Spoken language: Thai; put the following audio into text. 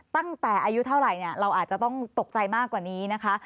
ตั้งแต่อายุเท่าไหร่เนี่ยเราอาจจะต้องตกใจมากกว่านี้นะคะ